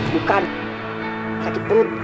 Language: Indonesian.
bukan sakit perut